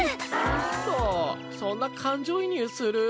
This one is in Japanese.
ウソそんな感情移入する？